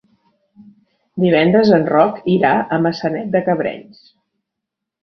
Divendres en Roc irà a Maçanet de Cabrenys.